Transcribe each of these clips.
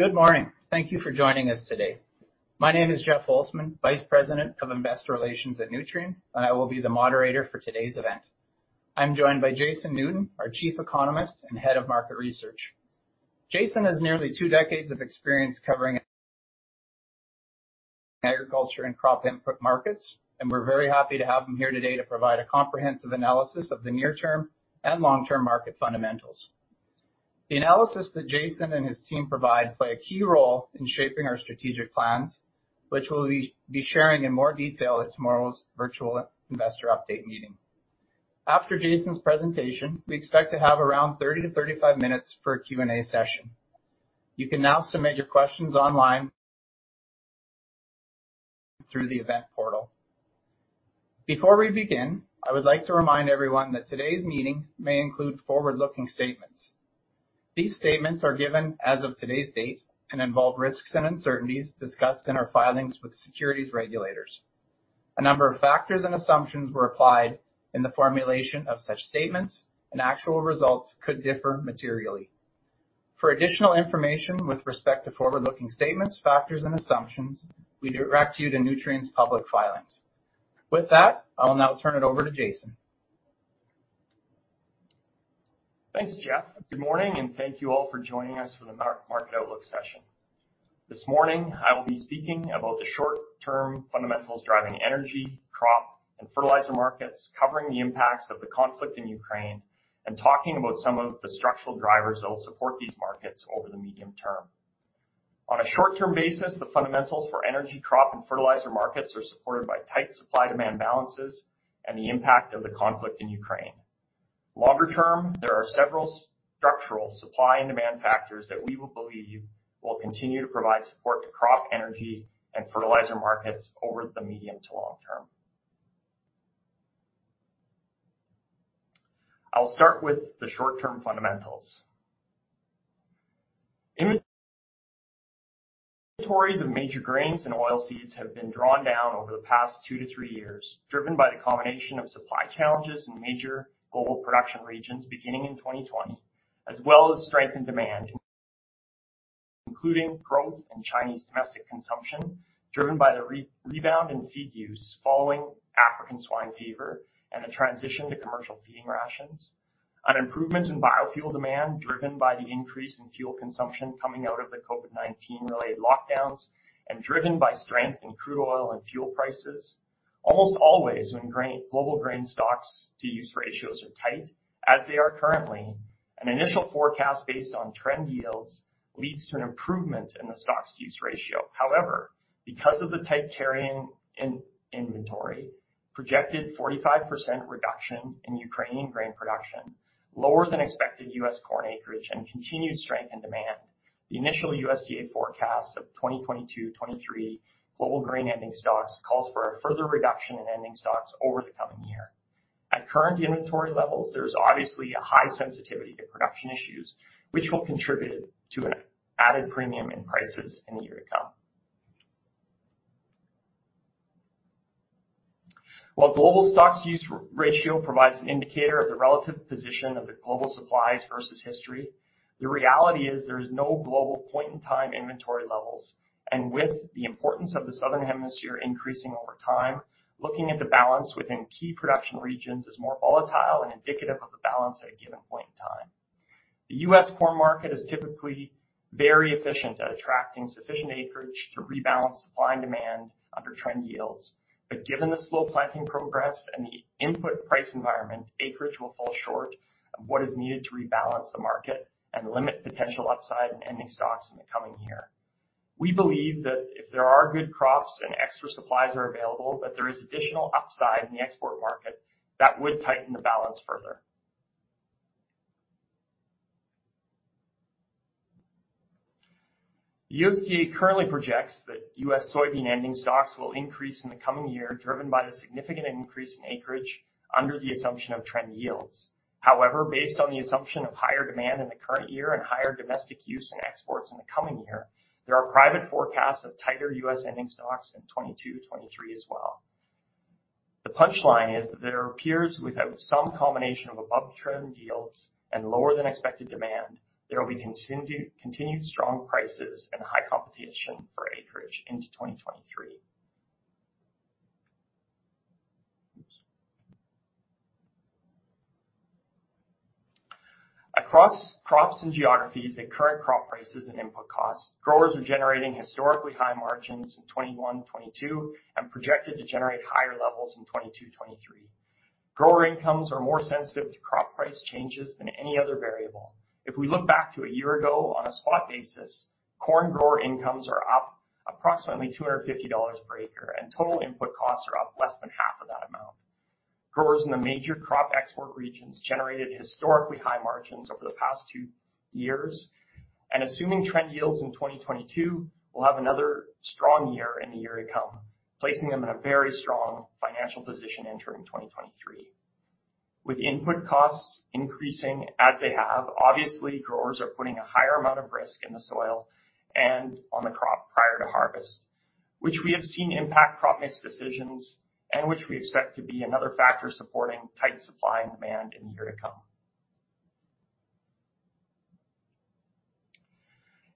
Good morning. Thank you for joining us today. My name is Jeff Holzman, Vice President of Investor Relations at Nutrien, and I will be the moderator for today's event. I'm joined by Jason Newton, our Chief Economist and Head of Market Research. Jason has nearly two decades of experience covering agriculture and crop input markets, and we're very happy to have him here today to provide a comprehensive analysis of the near-term and long-term market fundamentals. The analysis that Jason and his team provide play a key role in shaping our strategic plans, which we'll be sharing in more detail at tomorrow's virtual investor update meeting. After Jason's presentation, we expect to have around 30-35 minutes for a Q&A session. You can now submit your questions online through the event portal. Before we begin, I would like to remind everyone that today's meeting may include forward-looking statements. These statements are given as of today's date and involve risks and uncertainties discussed in our filings with securities regulators. A number of factors and assumptions were applied in the formulation of such statements, and actual results could differ materially. For additional information with respect to forward-looking statements, factors, and assumptions, we direct you to Nutrien's public filings. With that, I will now turn it over to Jason. Thanks, Jeff. Good morning, and thank you all for joining us for the market outlook session. This morning, I will be speaking about the short-term fundamentals driving energy, crop, and fertilizer markets, covering the impacts of the conflict in Ukraine and talking about some of the structural drivers that will support these markets over the medium term. On a short-term basis, the fundamentals for energy, crop, and fertilizer markets are supported by tight supply-demand balances and the impact of the conflict in Ukraine. Longer term, there are several structural supply and demand factors that we believe will continue to provide support to crop, energy, and fertilizer markets over the medium to long term. I'll start with the short-term fundamentals. Inventories of major grains and oilseeds have been drawn down over the past two to three years, driven by the combination of supply challenges in major global production regions beginning in 2020, as well as strength in demand, including growth in Chinese domestic consumption, driven by the rebound in feed use following African swine fever and the transition to commercial feeding rations, an improvement in biofuel demand driven by the increase in fuel consumption coming out of the COVID-19 related lockdowns, and driven by strength in crude oil and fuel prices. Almost always when global grain stocks-to-use ratios are tight, as they are currently, an initial forecast based on trend yields leads to an improvement in the stocks-to-use ratio. However, because of the tight carrying in inventory, projected 45% reduction in Ukrainian grain production, lower than expected U.S. corn acreage, and continued strength in demand, the initial USDA forecast of 2022-23 global grain ending stocks calls for a further reduction in ending stocks over the coming year. At current inventory levels, there's obviously a high sensitivity to production issues which will contribute to an added premium in prices in the year to come. While global stocks-to-use ratio provides an indicator of the relative position of the global supplies versus history, the reality is there is no global point-in-time inventory levels. With the importance of the Southern Hemisphere increasing over time, looking at the balance within key production regions is more volatile and indicative of the balance at a given point in time. The U.S. corn market is typically very efficient at attracting sufficient acreage to rebalance supply and demand under trend yields. Given the slow planting progress and the input price environment, acreage will fall short of what is needed to rebalance the market and limit potential upside in ending stocks in the coming year. We believe that if there are good crops and extra supplies are available, that there is additional upside in the export market that would tighten the balance further. The USDA currently projects that U.S. soybean ending stocks will increase in the coming year, driven by the significant increase in acreage under the assumption of trend yields. However, based on the assumption of higher demand in the current year and higher domestic use and exports in the coming year, there are private forecasts of tighter U.S. ending stocks in 2022-2023 as well. The punchline is that there appears, without some combination of above-trend yields and lower than expected demand, there will be continued strong prices and high competition for acreage into 2023. Across crops and geographies at current crop prices and input costs, growers are generating historically high margins in 2021, 2022, and projected to generate higher levels in 2022, 2023. Grower incomes are more sensitive to crop price changes than any other variable. If we look back to a year ago on a spot basis, corn grower incomes are up approximately $250 per acre, and total input costs are up less than half of that amount. Growers in the major crop export regions generated historically high margins over the past two years. Assuming trend yields in 2022 will have another strong year in the year to come, placing them in a very strong financial position entering 2023. With input costs increasing as they have, obviously, growers are putting a higher amount of risk in the soil and on the crop prior to harvest. Which we have seen impact crop mix decisions, and which we expect to be another factor supporting tight supply and demand in the year to come.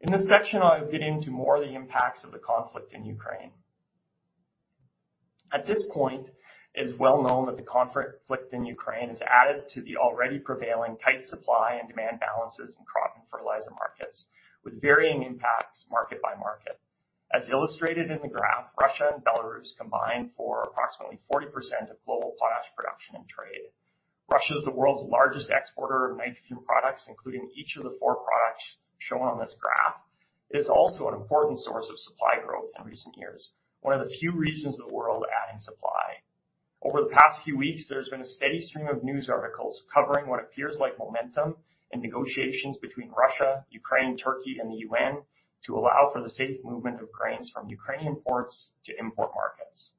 In this section, I'll get into more of the impacts of the conflict in Ukraine. At this point, it is well known that the conflict in Ukraine has added to the already prevailing tight supply and demand balances in crop and fertilizer markets with varying impacts, market by market. As illustrated in the graph, Russia and Belarus combined for approximately 40% of global potash production and trade. Russia is the world's largest exporter of nitrogen products, including each of the four products shown on this graph. It is also an important source of supply growth in recent years, one of the few regions of the world adding supply. Over the past few weeks, there's been a steady stream of news articles covering what appears like momentum in negotiations between Russia, Ukraine, Turkey, and the UN to allow for the safe movement of grains from Ukrainian ports to import markets.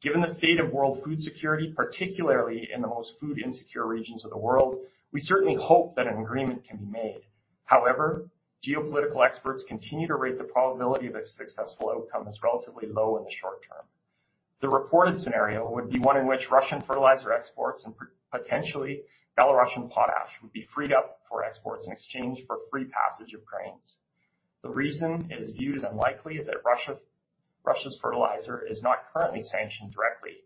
Given the state of world food security, particularly in the most food insecure regions of the world, we certainly hope that an agreement can be made. However, geopolitical experts continue to rate the probability of a successful outcome as relatively low in the short term. The reported scenario would be one in which Russian fertilizer exports and potentially Belarusian potash would be freed up for exports in exchange for free passage of grains. The reason it is viewed as unlikely is that Russia's fertilizer is not currently sanctioned directly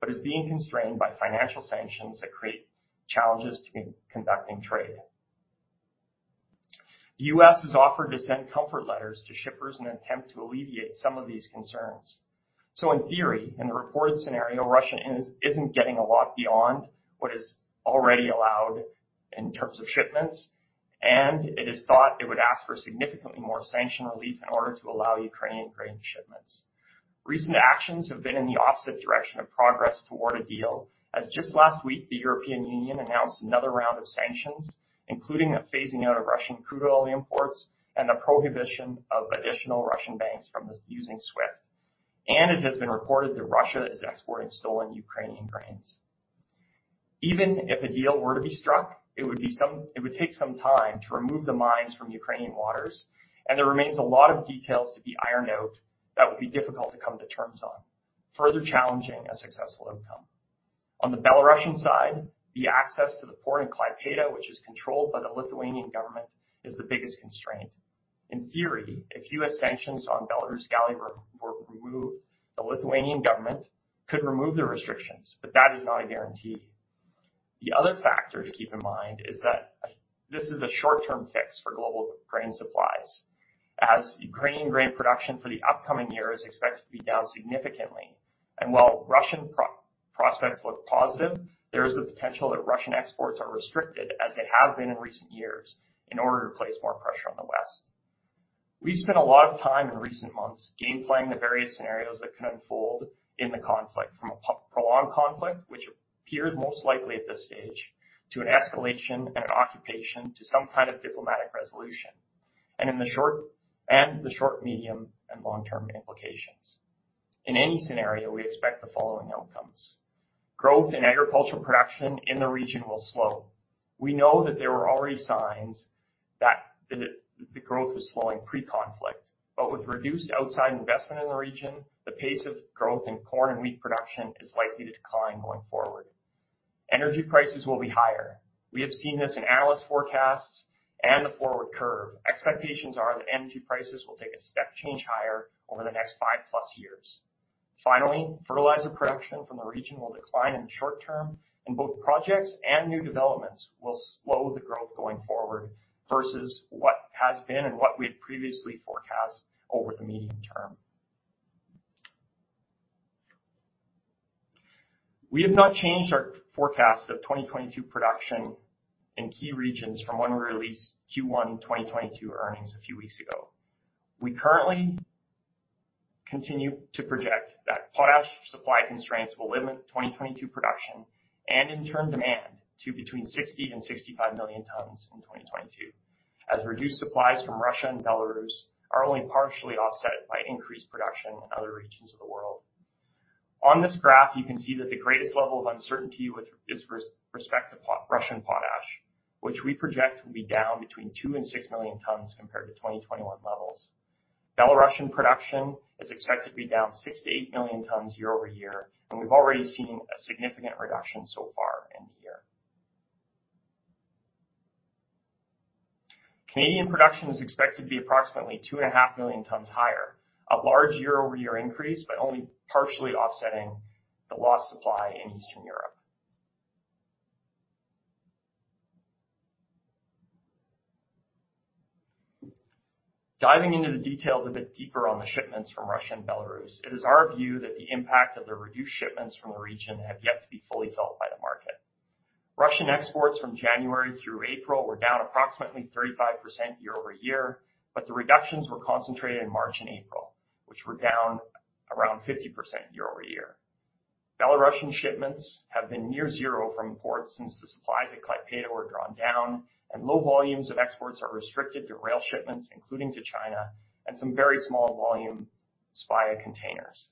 but is being constrained by financial sanctions that create challenges to conducting trade. The U.S. has offered to send comfort letters to shippers in an attempt to alleviate some of these concerns. In theory, in the reported scenario, Russia isn't getting a lot beyond what is already allowed in terms of shipments, and it is thought it would ask for significantly more sanction relief in order to allow Ukrainian grain shipments. Recent actions have been in the opposite direction of progress toward a deal, as just last week, the European Union announced another round of sanctions, including a phasing out of Russian crude oil imports and a prohibition of additional Russian banks from using SWIFT. It has been reported that Russia is exporting stolen Ukrainian grains. Even if a deal were to be struck, it would take some time to remove the mines from Ukrainian waters, and there remains a lot of details to be ironed out that would be difficult to come to terms on, further challenging a successful outcome. On the Belarusian side, the access to the port in Klaipėda, which is controlled by the Lithuanian government, is the biggest constraint. In theory, if U.S. sanctions on Belarus and Kaliningrad were removed, the Lithuanian government could remove the restrictions, but that is not a guarantee. The other factor to keep in mind is that this is a short-term fix for global grain supplies, as Ukrainian grain production for the upcoming year is expected to be down significantly. While Russian prospects look positive, there is the potential that Russian exports are restricted, as they have been in recent years, in order to place more pressure on the West. We spent a lot of time in recent months game planning the various scenarios that could unfold in the conflict, from a prolonged conflict, which appears most likely at this stage, to an escalation and an occupation to some kind of diplomatic resolution, and in the short, medium, and long-term implications. In any scenario, we expect the following outcomes. Growth in agricultural production in the region will slow. We know that there were already signs that the growth was slowing pre-conflict, but with reduced outside investment in the region, the pace of growth in corn and wheat production is likely to decline going forward. Energy prices will be higher. We have seen this in analyst forecasts and the forward curve. Expectations are that energy prices will take a step change higher over the next 5+ years. Finally, fertilizer production from the region will decline in the short term, and both projects and new developments will slow the growth going forward versus what has been and what we had previously forecast over the medium term. We have not changed our forecast of 2022 production in key regions from when we released Q1 2022 earnings a few weeks ago. We currently continue to project that potash supply constraints will limit 2022 production and in turn demand to between 60 and 65 million tons in 2022, as reduced supplies from Russia and Belarus are only partially offset by increased production in other regions of the world. On this graph, you can see that the greatest level of uncertainty with respect to Russian potash, which we project will be down between 2 and 6 million tons compared to 2021 levels. Belarusian production is expected to be down 6-8 million tons year-over-year, and we've already seen a significant reduction so far in the year. Canadian production is expected to be approximately 2.5 million tons higher, a large year-over-year increase but only partially offsetting the lost supply in Eastern Europe. Diving into the details a bit deeper on the shipments from Russia and Belarus, it is our view that the impact of the reduced shipments from the region have yet to be fully felt by the market. Russian exports from January through April were down approximately 35% year-over-year, but the reductions were concentrated in March and April, which were down around 50% year-over-year. Belarusian shipments have been near zero from ports since the supplies at Klaipeda were drawn down, and low volumes of exports are restricted to rail shipments, including to China and some very small volume via containers.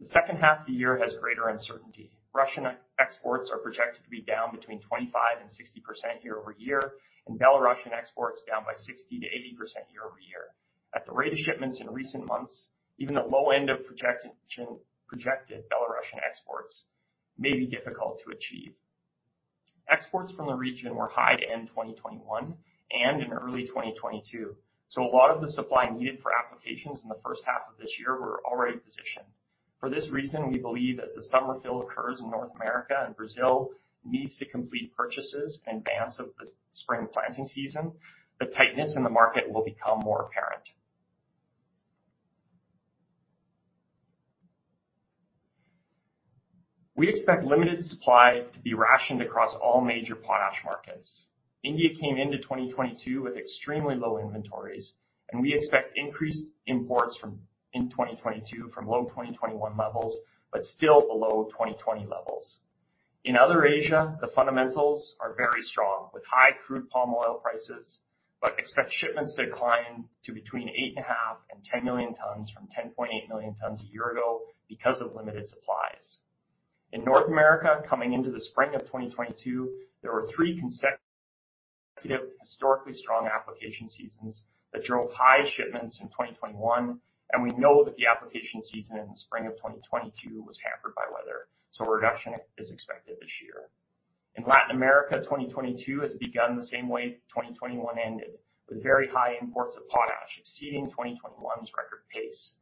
The second half of the year has greater uncertainty. Russian exports are projected to be down between 25% and 60% year-over-year, and Belarusian exports down by 60%-80% year-over-year. At the rate of shipments in recent months, even the low end of projected Belarusian exports may be difficult to achieve. Exports from the region were high to end 2021 and in early 2022. A lot of the supply needed for applications in the first half of this year were already positioned. For this reason, we believe as the summer fill occurs in North America and Brazil needs to complete purchases in advance of the spring planting season, the tightness in the market will become more apparent. We expect limited supply to be rationed across all major potash markets. India came into 2022 with extremely low inventories, and we expect increased imports in 2022 from low 2021 levels, but still below 2020 levels. In other Asia, the fundamentals are very strong with high crude palm oil prices, but expect shipments to decline to between 8.5 and 10 million tons from 10.8 million tons a year ago because of limited supplies. In North America, coming into the spring of 2022, there were three consecutive historically strong application seasons that drove high shipments in 2021, and we know that the application season in the spring of 2022 was hampered by weather, so a reduction is expected this year. In Latin America, 2022 has begun the same way 2021 ended, with very high imports of potash exceeding 2021's record pace.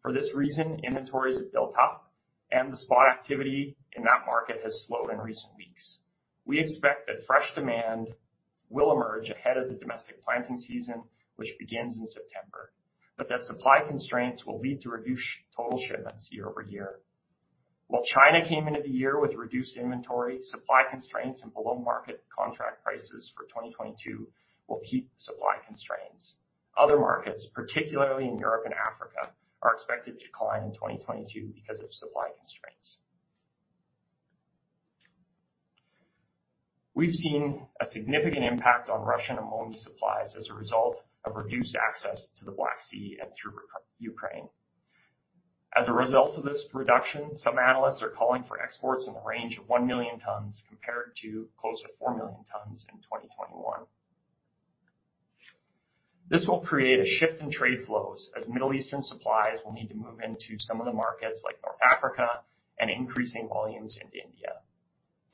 For this reason, inventories have built up and the spot activity in that market has slowed in recent weeks. We expect that fresh demand will emerge ahead of the domestic planting season, which begins in September, but that supply constraints will lead to reduced total shipments year over year. While China came into the year with reduced inventory, supply constraints and below-market contract prices for 2022 will keep supply constraints. Other markets, particularly in Europe and Africa, are expected to decline in 2022 because of supply constraints. We've seen a significant impact on Russian ammonium supplies as a result of reduced access to the Black Sea and through Ukraine. As a result of this reduction, some analysts are calling for exports in the range of 1,000,000 tons compared to closer to 4,000,000 tons in 2021. This will create a shift in trade flows as Middle Eastern supplies will need to move into some of the markets like North Africa and increasing volumes into India.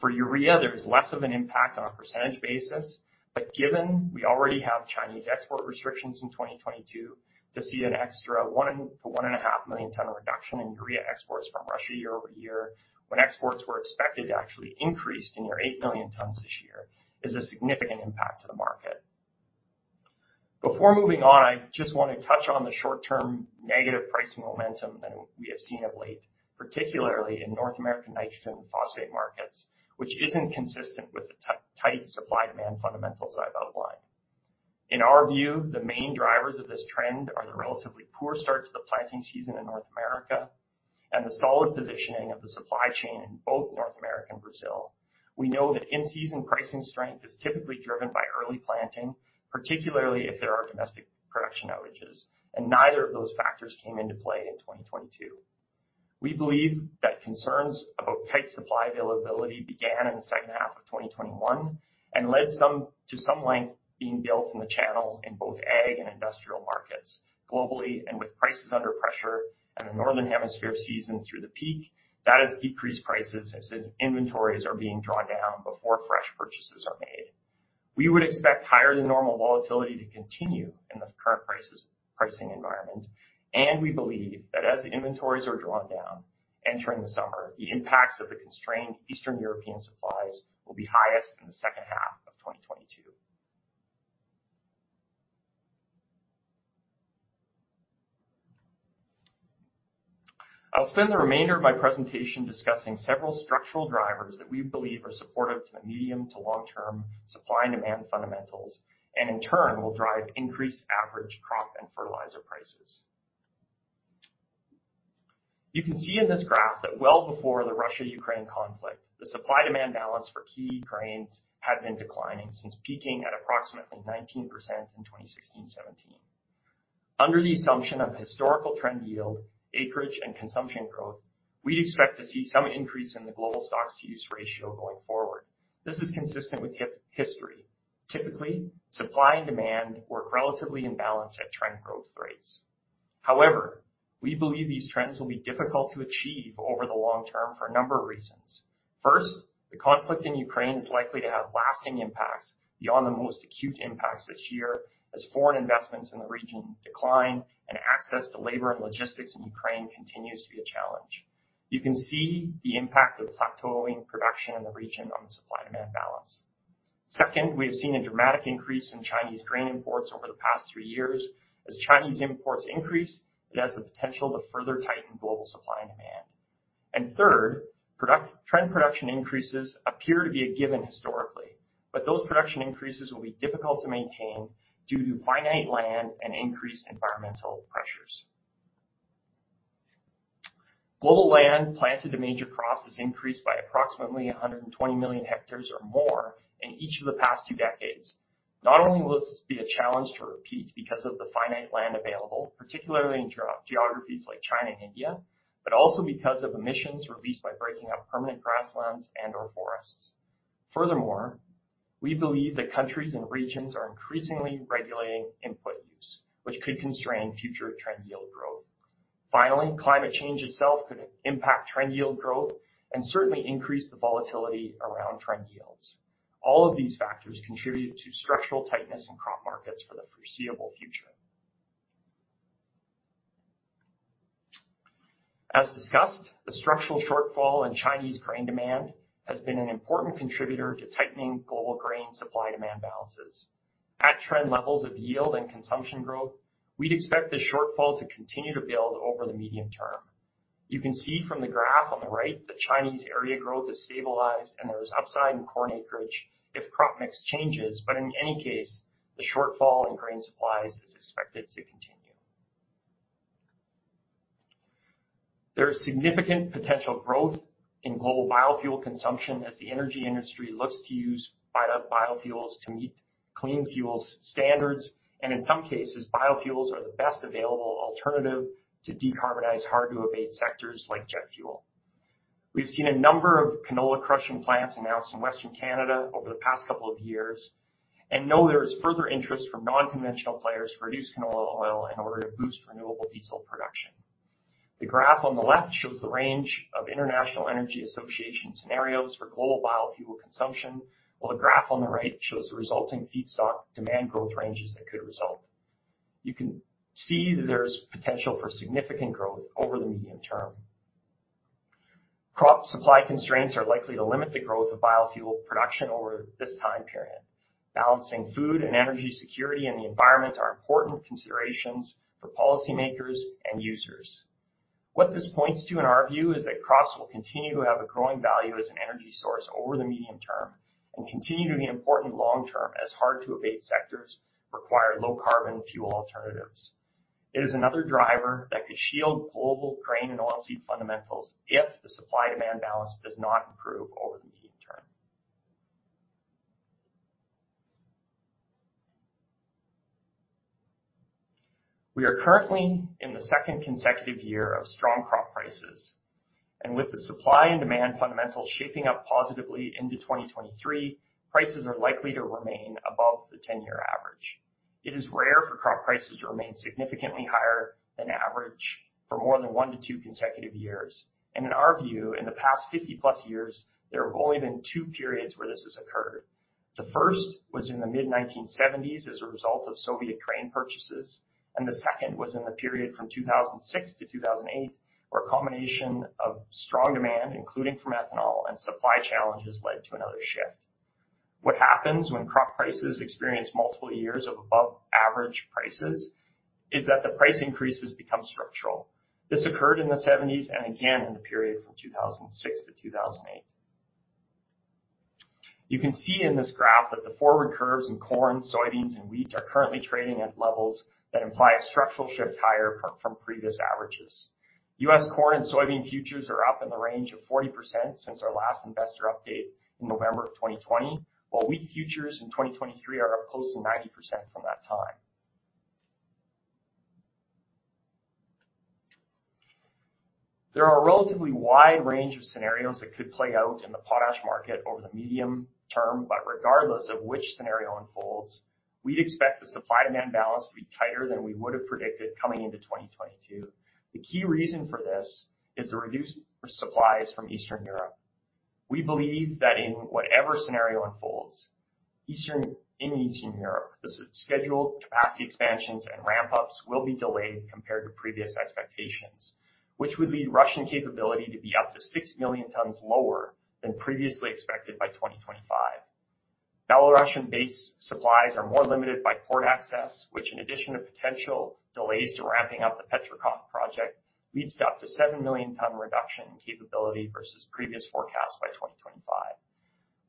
For urea, there is less of an impact on a percentage basis, but given we already have Chinese export restrictions in 2022 to see an extra 1-1.5 million ton reduction in urea exports from Russia year-over-year, when exports were expected to actually increase to near 8 million tons this year, is a significant impact to the market. Before moving on, I just wanna touch on the short-term negative pricing momentum that we have seen of late, particularly in North American nitrogen and phosphate markets, which isn't consistent with the tight supply-and-demand fundamentals I've outlined. In our view, the main drivers of this trend are the relatively poor start to the planting season in North America and the solid positioning of the supply chain in both North America and Brazil. We know that in-season pricing strength is typically driven by early planting, particularly if there are domestic production outages, and neither of those factors came into play in 2022. We believe that concerns about tight supply availability began in the second half of 2021 and led to some length being built in the channel in both ag and industrial markets globally. With prices under pressure and the Northern Hemisphere season through the peak, that has decreased prices as inventories are being drawn down before fresh purchases are made. We would expect higher than normal volatility to continue in the current pricing environment, and we believe that as the inventories are drawn down entering the summer, the impacts of the constrained Eastern European supplies will be highest in the second half of 2022. I'll spend the remainder of my presentation discussing several structural drivers that we believe are supportive to the medium to long-term supply and demand fundamentals, and in turn will drive increased average crop and fertilizer prices. You can see in this graph that well before the Russia-Ukraine conflict, the supply demand balance for key grains had been declining since peaking at approximately 19% in 2016-2017. Under the assumption of historical trend yield, acreage, and consumption growth, we expect to see some increase in the global stocks-to-use ratio going forward. This is consistent with history. Typically, supply and demand work relatively in balance at trend growth rates. However, we believe these trends will be difficult to achieve over the long term for a number of reasons. First, the conflict in Ukraine is likely to have lasting impacts beyond the most acute impacts this year as foreign investments in the region decline and access to labor and logistics in Ukraine continues to be a challenge. You can see the impact of plateauing production in the region on the supply-demand balance. Second, we have seen a dramatic increase in Chinese grain imports over the past three years. As Chinese imports increase, it has the potential to further tighten global supply and demand. Third, trend production increases appear to be a given historically, but those production increases will be difficult to maintain due to finite land and increased environmental pressures. Global land planted to major crops has increased by approximately 120 million hectares or more in each of the past two decades. Not only will this be a challenge to repeat because of the finite land available, particularly in geographies like China and India, but also because of emissions released by breaking up permanent grasslands and/or forests. Furthermore, we believe that countries and regions are increasingly regulating input use, which could constrain future trend yield growth. Finally, climate change itself could impact trend yield growth and certainly increase the volatility around trend yields. All of these factors contribute to structural tightness in crop markets for the foreseeable future. As discussed, the structural shortfall in Chinese grain demand has been an important contributor to tightening global grain supply-demand balances. At trend levels of yield and consumption growth, we'd expect this shortfall to continue to build over the medium term. You can see from the graph on the right that Chinese area growth has stabilized, and there is upside in corn acreage if crop mix changes, but in any case, the shortfall in grain supplies is expected to continue. There is significant potential growth in global biofuel consumption as the energy industry looks to use biofuels to meet clean fuels standards, and in some cases, biofuels are the best available alternative to decarbonize hard-to-abate sectors like jet fuel. We've seen a number of canola crushing plants announced in Western Canada over the past couple of years, and know there is further interest from non-conventional players to produce canola oil in order to boost renewable diesel production. The graph on the left shows the range of International Energy Agency scenarios for global biofuel consumption, while the graph on the right shows the resulting feedstock demand growth ranges that could result. You can see that there's potential for significant growth over the medium term. Crop supply constraints are likely to limit the growth of biofuel production over this time period. Balancing food and energy security and the environment are important considerations for policymakers and users. What this points to, in our view, is that crops will continue to have a growing value as an energy source over the medium term and continue to be important long term as hard-to-abate sectors require low-carbon fuel alternatives. It is another driver that could shield global grain and oil seed fundamentals if the supply-demand balance does not improve over the medium term. We are currently in the second consecutive year of strong crop prices, and with the supply and demand fundamentals shaping up positively into 2023, prices are likely to remain above the 10-year average. It is rare for crop prices to remain significantly higher than average for more than one to two consecutive years. In our view, in the past 50+ years, there have only been two periods where this has occurred. The first was in the mid-1970s as a result of Soviet grain purchases, and the second was in the period from 2006 to 2008, where a combination of strong demand, including from ethanol and supply challenges, led to another shift. What happens when crop prices experience multiple years of above-average prices is that the price increases become structural. This occurred in the 1970s and again in the period from 2006 to 2008. You can see in this graph that the forward curves in corn, soybeans, and wheat are currently trading at levels that imply a structural shift higher from previous averages. U.S. corn and soybean futures are up in the range of 40% since our last investor update in November of 2020, while wheat futures in 2023 are up close to 90% from that time. There are a relatively wide range of scenarios that could play out in the potash market over the medium term, but regardless of which scenario unfolds, we'd expect the supply-demand balance to be tighter than we would have predicted coming into 2022. The key reason for this is the reduced supplies from Eastern Europe. We believe that in whatever scenario unfolds in Eastern Europe, the scheduled capacity expansions and ramp-ups will be delayed compared to previous expectations, which would lead Russian capacity to be up to 6 million tons lower than previously expected by 2025. Belarusian base supplies are more limited by port access, which in addition to potential delays to ramping up the Petrikovsky Project, leads to up to 7 million ton reduction in capability versus previous forecasts by 2025.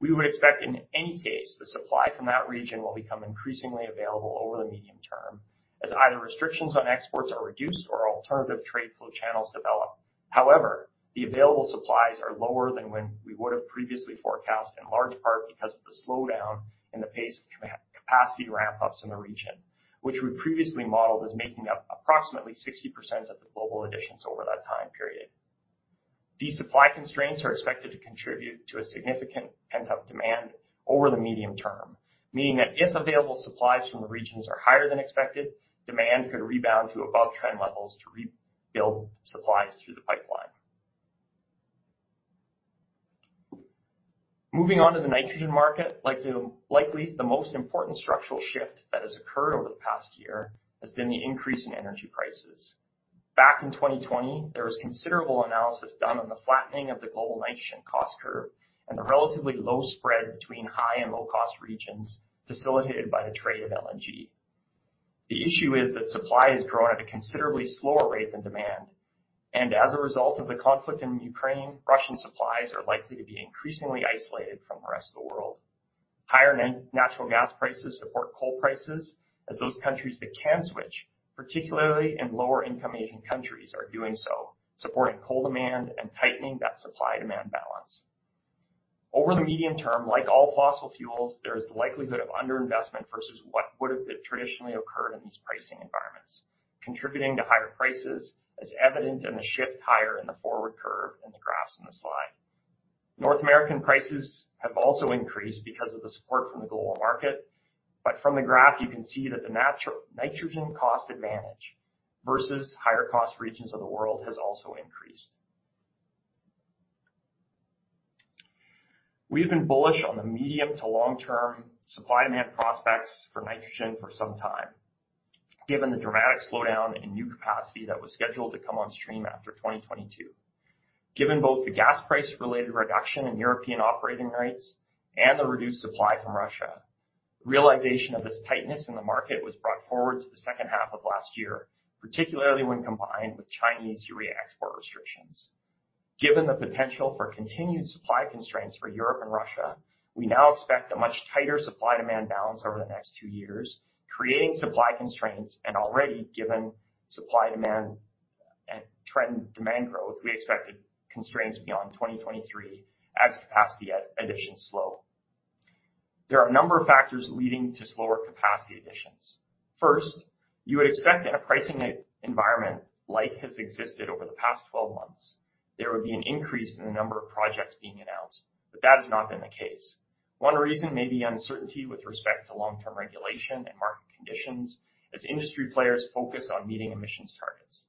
We would expect in any case, the supply from that region will become increasingly available over the medium term as either restrictions on exports are reduced or alternative trade flow channels develop. However, the available supplies are lower than when we would have previously forecast, in large part because of the slowdown in the pace of capacity ramp-ups in the region, which we previously modeled as making up approximately 60% of the global additions over that time period. These supply constraints are expected to contribute to a significant pent-up demand over the medium term, meaning that if available supplies from the regions are higher than expected, demand could rebound to above-trend levels to rebuild supplies through the pipeline. Moving on to the nitrogen market, likely the most important structural shift that has occurred over the past year has been the increase in energy prices. Back in 2020, there was considerable analysis done on the flattening of the global nitrogen cost curve and the relatively low spread between high and low-cost regions facilitated by the trade of LNG. The issue is that supply has grown at a considerably slower rate than demand. As a result of the conflict in Ukraine, Russian supplies are likely to be increasingly isolated from the rest of the world. Higher natural gas prices support coal prices as those countries that can switch, particularly in lower-income Asian countries, are doing so, supporting coal demand and tightening that supply-demand balance. Over the medium term, like all fossil fuels, there is the likelihood of under-investment versus what would have been traditionally occurred in these pricing environments, contributing to higher prices as evident in the shift higher in the forward curve in the graphs in the slide. North American prices have also increased because of the support from the global market. From the graph, you can see that the nitrogen cost advantage versus higher cost regions of the world has also increased. We have been bullish on the medium to long-term supply and demand prospects for nitrogen for some time, given the dramatic slowdown in new capacity that was scheduled to come on stream after 2022. Given both the gas-price-related reduction in European operating rates and the reduced supply from Russia, realization of this tightness in the market was brought forward to the second half of last year, particularly when combined with Chinese urea export restrictions. Given the potential for continued supply constraints for Europe and Russia, we now expect a much tighter supply-demand balance over the next two years, creating supply constraints, and already given supply-demand trend demand growth, we expected constraints beyond 2023 as capacity additions slow. There are a number of factors leading to slower capacity additions. First, you would expect in a pricing environment like has existed over the past 12 months, there would be an increase in the number of projects being announced, but that has not been the case. One reason may be uncertainty with respect to long-term regulation and market conditions as industry players focus on meeting emissions targets.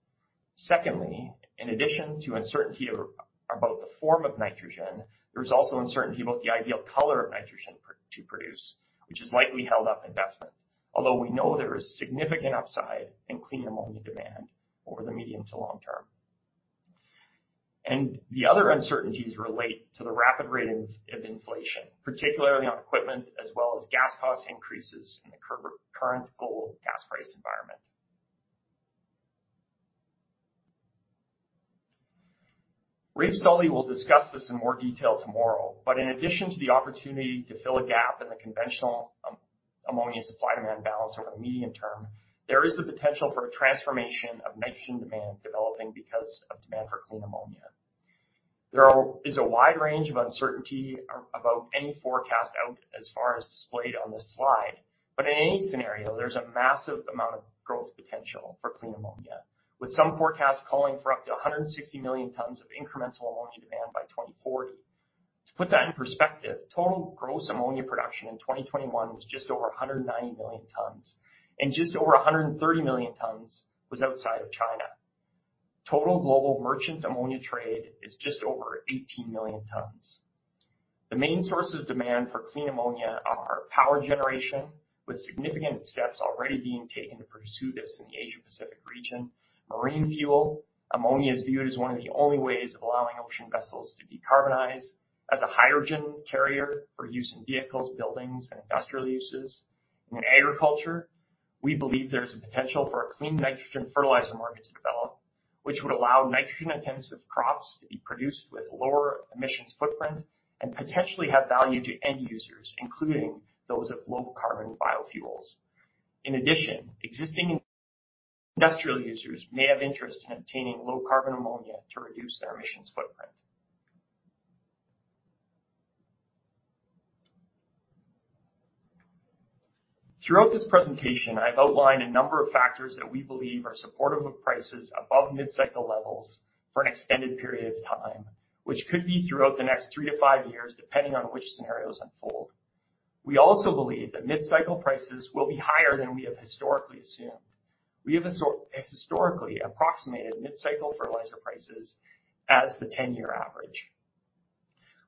Secondly, in addition to uncertainty about the form of nitrogen, there is also uncertainty about the ideal color of nitrogen to produce, which has likely held up investment. Although we know there is significant upside in clean ammonia demand over the medium to long term. The other uncertainties relate to the rapid rate of inflation, particularly on equipment as well as gas cost increases in the current global gas price environment. Raef Sully will discuss this in more detail tomorrow, but in addition to the opportunity to fill a gap in the conventional ammonia supply demand balance over the medium term, there is the potential for a transformation of nitrogen demand developing because of demand for clean ammonia. There is a wide range of uncertainty about any forecast out as far as displayed on this slide. In any scenario, there's a massive amount of growth potential for clean ammonia, with some forecasts calling for up to 160 million tons of incremental ammonia demand by 2040. To put that in perspective, total gross ammonia production in 2021 was just over 190 million tons, and just over 130 million tons was outside of China. Total global merchant ammonia trade is just over 18 million tons. The main sources of demand for clean ammonia are power generation, with significant steps already being taken to pursue this in the Asia Pacific region. Marine fuel, ammonia is viewed as one of the only ways of allowing ocean vessels to decarbonize. As a hydrogen carrier for use in vehicles, buildings, and industrial uses. In agriculture, we believe there's a potential for a clean nitrogen fertilizer market to develop, which would allow nitrogen-intensive crops to be produced with lower emissions footprint and potentially have value to end users, including those of low carbon biofuels. In addition, existing industrial users may have interest in obtaining low carbon ammonia to reduce their emissions footprint. Throughout this presentation, I've outlined a number of factors that we believe are supportive of prices above mid-cycle levels for an extended period of time, which could be throughout the next three to five years, depending on which scenarios unfold. We also believe that mid-cycle prices will be higher than we have historically assumed. We have historically approximated mid-cycle fertilizer prices as the 10-year average.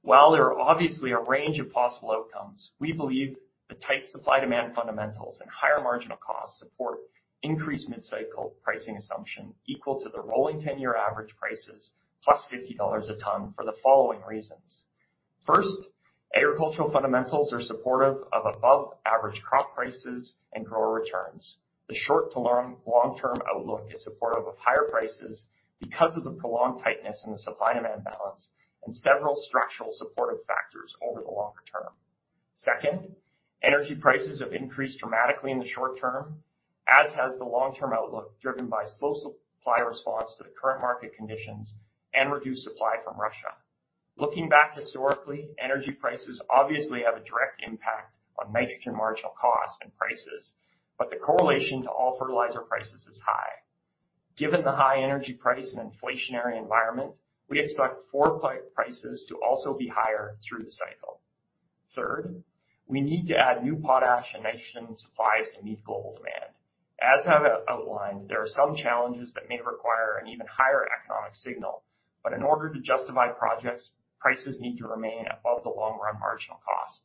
While there are obviously a range of possible outcomes, we believe the tight supply-demand fundamentals and higher marginal costs support increased mid-cycle pricing assumption equal to the rolling 10-year average prices, +$50 a tons for the following reasons. First, agricultural fundamentals are supportive of above-average crop prices and grower returns. The short to long, long-term outlook is supportive of higher prices because of the prolonged tightness in the supply-demand balance and several structural supportive factors over the longer term. Second, energy prices have increased dramatically in the short term, as has the long-term outlook driven by slow supply response to the current market conditions and reduced supply from Russia. Looking back historically, energy prices obviously have a direct impact on nitrogen marginal costs and prices, but the correlation to all fertilizer prices is high. Given the high energy price and inflationary environment, we expect fertilizer prices to also be higher through the cycle. Third, we need to add new potash and nitrogen supplies to meet global demand. As I have outlined, there are some challenges that may require an even higher economic signal, but in order to justify projects, prices need to remain above the long-run marginal cost.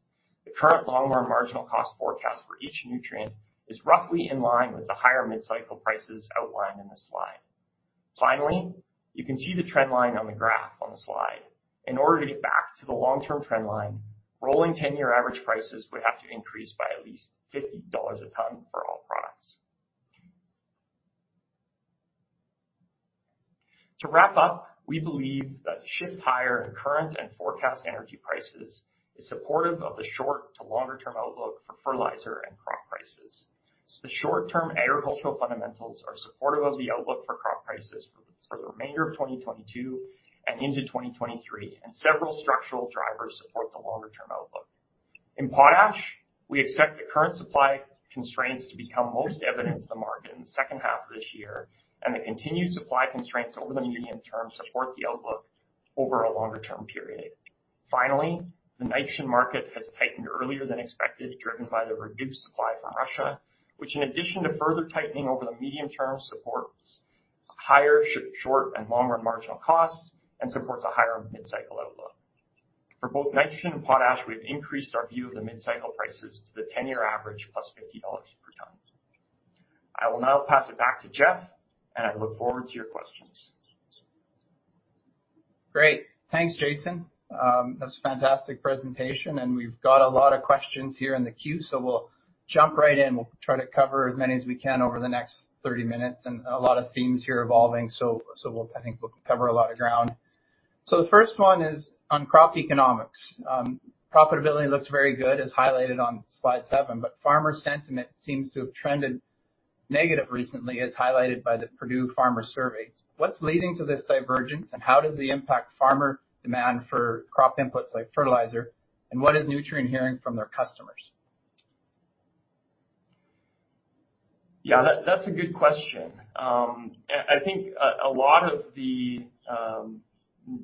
The current long-run marginal cost forecast for each nutrient is roughly in line with the higher mid-cycle prices outlined in this slide. Finally, you can see the trend line on the graph on the slide. In order to get back to the long-term trend line, rolling 10-year average prices would have to increase by at least $50 a tons for all products. To wrap up, we believe that the shift higher in current and forecast energy prices is supportive of the short to longer term outlook for fertilizer and crop prices. The short-term agricultural fundamentals are supportive of the outlook for crop prices for the remainder of 2022 and into 2023, and several structural drivers support the longer term outlook. In potash, we expect the current supply constraints to become most evident to the market in the second half of this year, and the continued supply constraints over the medium term support the outlook over a longer term period. Finally, the nitrogen market has tightened earlier than expected, driven by the reduced supply from Russia, which in addition to further tightening over the medium term, supports higher short and longer marginal costs and supports a higher mid-cycle outlook. For both nitrogen and potash, we've increased our view of the mid-cycle prices to the 10-year average +$50 per tons. I will now pass it back to Jeff, and I look forward to your questions. Great. Thanks, Jason. That's a fantastic presentation, and we've got a lot of questions here in the queue, so we'll jump right in. We'll try to cover as many as we can over the next 30 minutes, and a lot of themes here evolving, so I think we'll cover a lot of ground. The first one is on crop economics. Profitability looks very good as highlighted on slide seven, but farmer sentiment seems to have trended negative recently, as highlighted by the Purdue University/CME Group Ag Economy Barometer. What's leading to this divergence, and how does it impact farmer demand for crop inputs like fertilizer, and what is Nutrien hearing from their customers? Yeah, that's a good question. I think a lot of the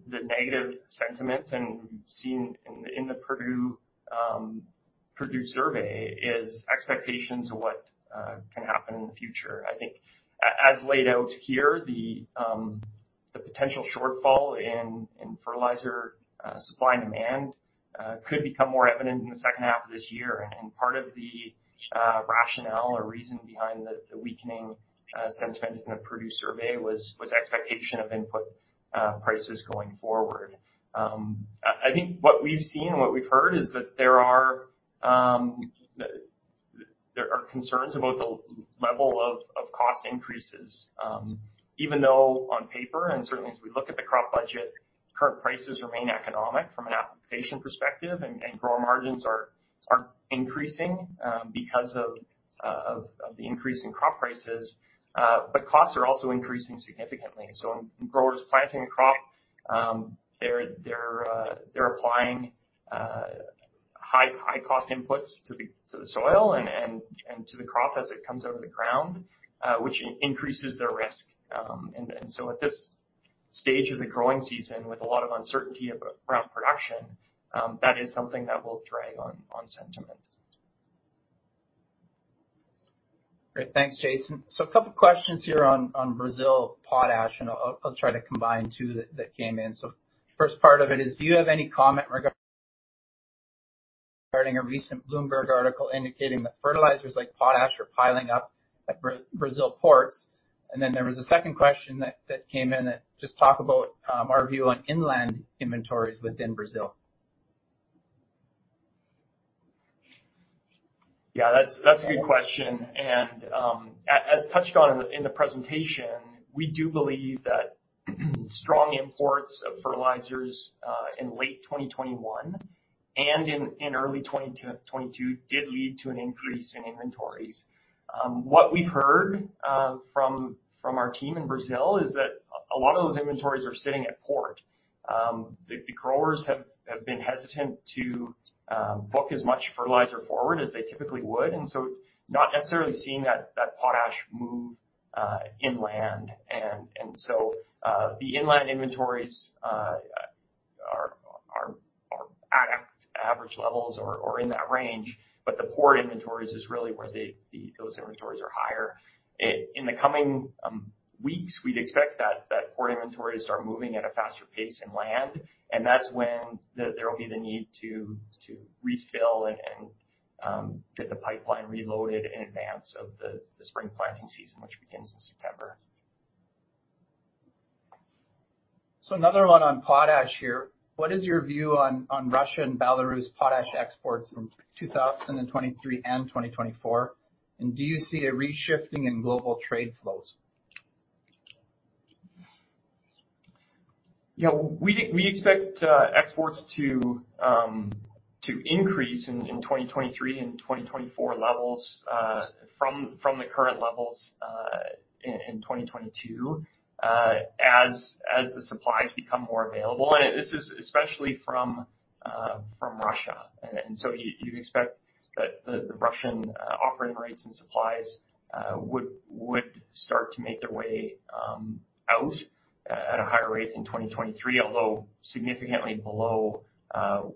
negative sentiment we've seen in the Purdue survey is expectations of what can happen in the future. I think as laid out here, the potential shortfall in fertilizer supply and demand could become more evident in the second half of this year. Part of the rationale or reason behind the weakening sentiment in the Purdue survey was expectation of input prices going forward. I think what we've seen and what we've heard is that there are concerns about the level of cost increases, even though on paper and certainly as we look at the crop budget, current prices remain economic from an application perspective and grower margins are increasing because of the increase in crop prices. Costs are also increasing significantly. When growers are planting a crop, they're applying high cost inputs to the soil and to the crop as it comes out of the ground, which increases their risk. At this stage of the growing season, with a lot of uncertainty around production, that is something that will drag on sentiment. Great. Thanks, Jason. A couple questions here on Brazil potash, and I'll try to combine two that came in. First part of it is do you have any comment regarding a recent Bloomberg article indicating that fertilizers like potash are piling up at Brazil ports? Then there was a second question that came in that just talk about our view on inland inventories within Brazil. Yeah. That's a good question. As touched on in the presentation, we do believe that strong imports of fertilizers in late 2021 and in early 2022 did lead to an increase in inventories. What we've heard from our team in Brazil is that a lot of those inventories are sitting at port. The growers have been hesitant to book as much fertilizer forward as they typically would, and so not necessarily seeing that potash move inland. The inland inventories are at average levels or in that range. But the port inventories is really where those inventories are higher. In the coming weeks we'd expect that port inventories start moving at a faster pace inland, and that's when there will be the need to refill and get the pipeline reloaded in advance of the spring planting season, which begins in September. Another one on potash here. What is your view on Russia and Belarus potash exports in 2023 and 2024? Do you see a reshifting in global trade flows? Yeah. We expect exports to increase in 2023 and 2024 levels from the current levels in 2022 as the supplies become more available, and this is especially from Russia. You'd expect that the Russian offering rates and supplies would start to make their way out at a higher rate in 2023, although significantly below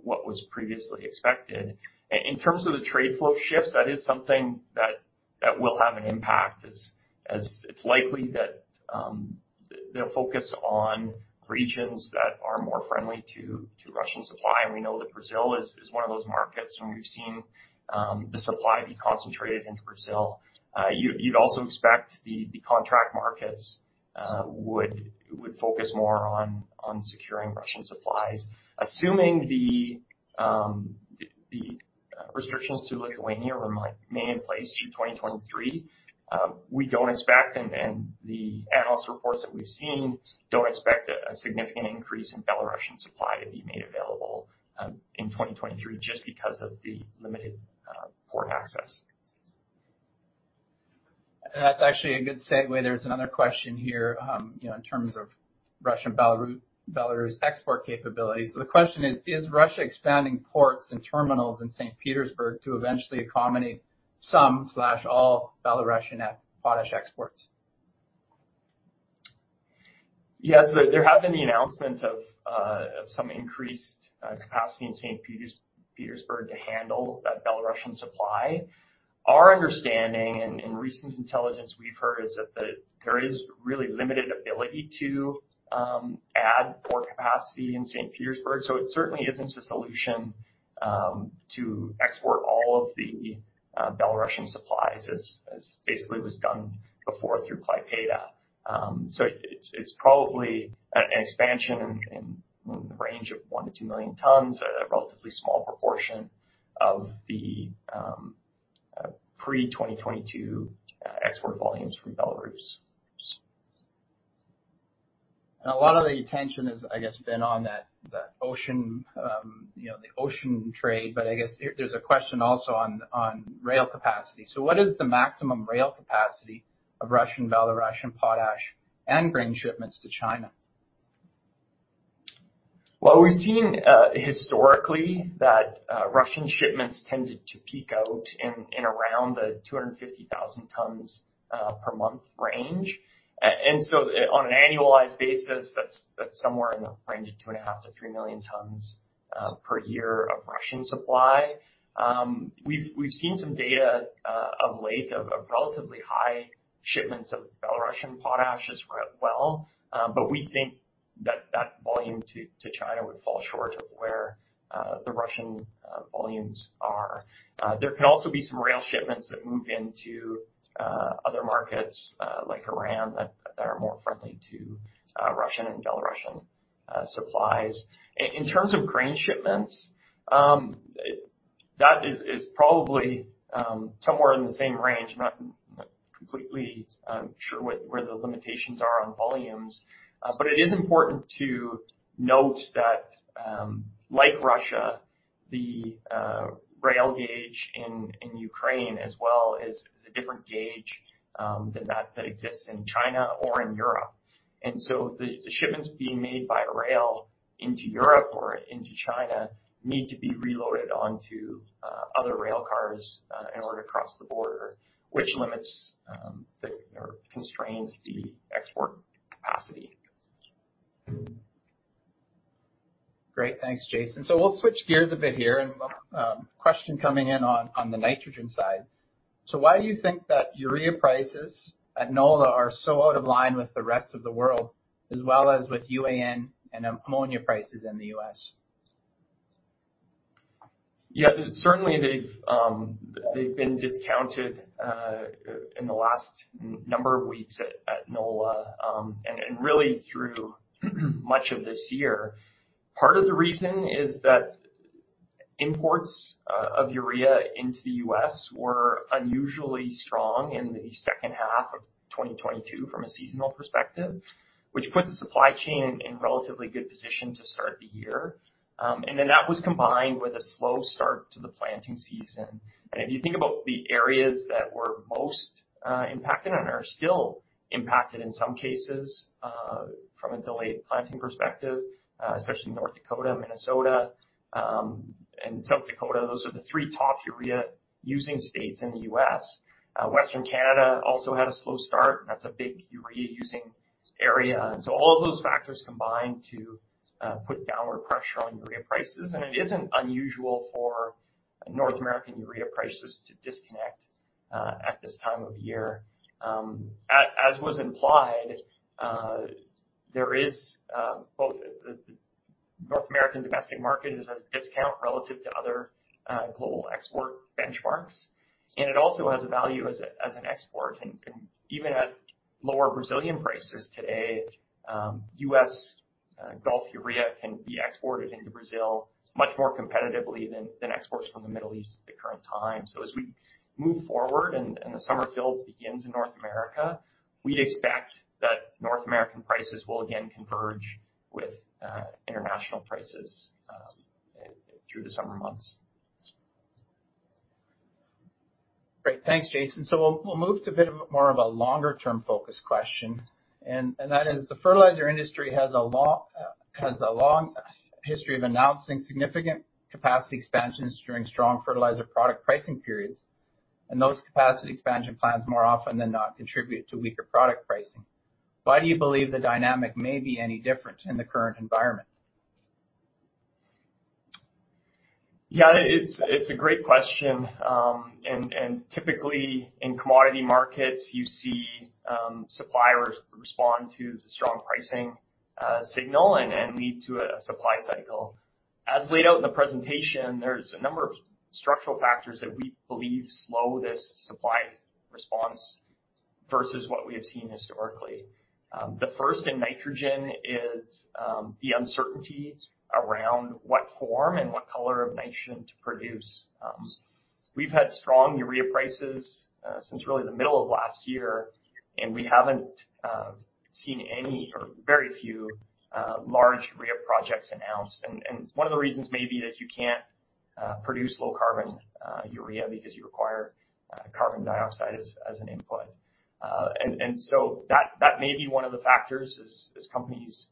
what was previously expected. In terms of the trade flow shifts, that is something that will have an impact as it's likely that they'll focus on regions that are more friendly to Russian supply. We know that Brazil is one of those markets and we've seen the supply be concentrated into Brazil. You'd also expect the contract markets would focus more on securing Russian supplies. Assuming the restrictions to Lithuania remain in place through 2023, we don't expect and the analyst reports that we've seen don't expect a significant increase in Belarusian supply to be made available in 2023 just because of the limited port access. That's actually a good segue. There's another question here, you know, in terms of Russian, Belarus export capabilities. The question is: Is Russia expanding ports and terminals in St. Petersburg to eventually accommodate some/all Belarusian potash exports? Yes. There have been the announcement of some increased capacity in St. Petersburg to handle that Belarusian supply. Our understanding and recent intelligence we've heard is that there is really limited ability to add port capacity in St. Petersburg. It certainly isn't a solution to export all of the Belarusian supplies as basically was done before through Klaipėda. It's probably an expansion in the range of 1-2 million tons, a relatively small proportion of the pre-2022 export volumes from Belarus. A lot of the attention has, I guess, been on that ocean, you know, the ocean trade. I guess here there's a question also on rail capacity. What is the maximum rail capacity of Russian, Belarusian potash and grain shipments to China? Well, we've seen historically that Russian shipments tended to peak out in around 250,000 tons per month range. And so on an annualized basis, that's somewhere in the range of 2.5-3 million tons per year of Russian supply. We've seen some data of late of relatively high shipments of Belarusian potash as well, but we think that volume to China would fall short of where the Russian volumes are. There can also be some rail shipments that move into other markets like Iran that are more friendly to Russian and Belarusian supplies. In terms of grain shipments, that is probably somewhere in the same range. I'm not completely sure what the limitations are on volumes. It is important to note that, like Russia, the rail gauge in Ukraine as well is a different gauge than that exists in China or in Europe. The shipments being made by rail into Europe or into China need to be reloaded onto other rail cars in order to cross the border, which limits or constrains the export capacity. Great. Thanks, Jason. We'll switch gears a bit here and question coming in on the nitrogen side. Why do you think that urea prices at NOLA are so out of line with the rest of the world as well as with UAN and ammonia prices in the U.S.? Yeah. Certainly they've been discounted in the last number of weeks at NOLA, and really through much of this year. Part of the reason is that imports of urea into the U.S. were unusually strong in the second half of 2022 from a seasonal perspective, which put the supply chain in relatively good position to start the year. Then that was combined with a slow start to the planting season. If you think about the areas that were most impacted and are still impacted in some cases from a delayed planting perspective, especially North Dakota, Minnesota, and South Dakota, those are the three top urea using states in the U.S. Western Canada also had a slow start. That's a big urea using area. All of those factors combined to put downward pressure on urea prices. It isn't unusual for North American urea prices to disconnect at this time of year. As was implied, there is both the North American domestic market is at a discount relative to other global export benchmarks, and it also has a value as an export. Even at lower Brazilian prices today, U.S. Gulf urea can be exported into Brazil much more competitively than exports from the Middle East at the current time. As we move forward and the summer fill begins in North America, we'd expect that North American prices will again converge with international prices through the summer months. Great. Thanks, Jason. We'll move to a bit more of a longer term focused question. That is: The fertilizer industry has a long history of announcing significant capacity expansions during strong fertilizer product pricing periods, and those capacity expansion plans more often than not contribute to weaker product pricing. Why do you believe the dynamic may be any different in the current environment? Yeah, it's a great question. Typically in commodity markets, you see suppliers respond to the strong pricing signal and lead to a supply cycle. As laid out in the presentation, there's a number of structural factors that we believe slow this supply response versus what we have seen historically. The first in nitrogen is the uncertainty around what form and what color of nitrogen to produce. We've had strong urea prices since really the middle of last year. We haven't seen any or very few large urea projects announced. One of the reasons may be that you can't produce low carbon urea because you require carbon dioxide as an input. That may be one of the factors as companies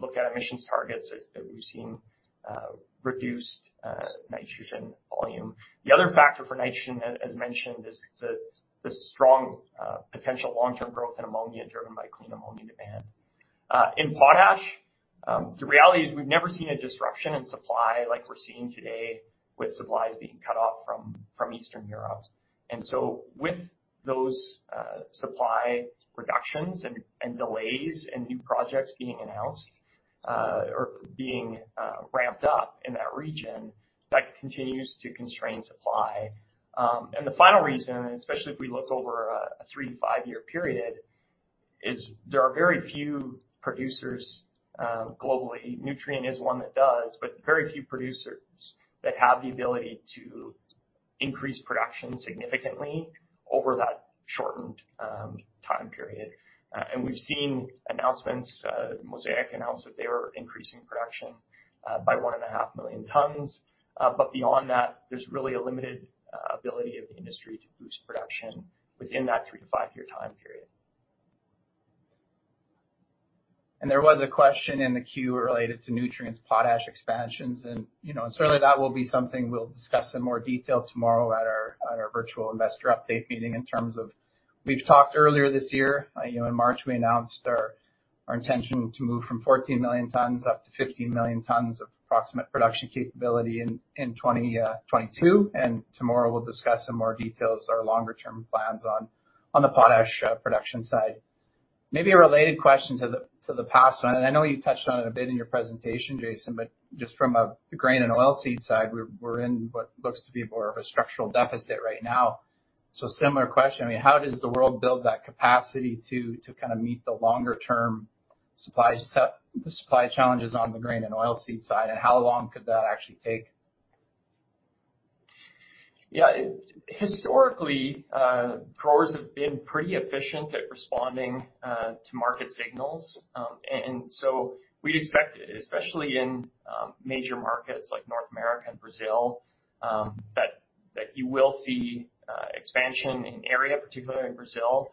look at emissions targets that we've seen reduced nitrogen volume. The other factor for nitrogen as mentioned is the strong potential long-term growth in ammonia driven by clean ammonia demand. In potash, the reality is we've never seen a disruption in supply like we're seeing today with supplies being cut off from Eastern Europe. With those supply reductions and delays and new projects being announced or being ramped up in that region, that continues to constrain supply. The final reason, especially if we look over a three to five-year period, is there are very few producers globally. Nutrien is one that does, but very few producers that have the ability to increase production significantly over that shortened time period. We've seen announcements. Mosaic announced that they were increasing production by 1.5 million tons. Beyond that, there's really a limited ability of the industry to boost production within that three to five-year time period. There was a question in the queue related to Nutrien's potash expansions. You know, certainly that will be something we'll discuss in more detail tomorrow at our virtual investor update meeting in terms of we've talked earlier this year. You know, in March, we announced our intention to move from 14 million tons up to 15 million tons of approximate production capability in 2022. Tomorrow we'll discuss in more details our longer term plans on the potash production side. Maybe a related question to the last one, and I know you touched on it a bit in your presentation, Jason, but just from the grain and oilseed side, we're in what looks to be more of a structural deficit right now. Similar question. I mean, how does the world build that capacity to kinda meet the longer term supply challenges on the grain and oilseed side, and how long could that actually take? Yeah. Historically, growers have been pretty efficient at responding to market signals. We'd expect, especially in major markets like North America and Brazil, that you will see expansion in area, particularly in Brazil.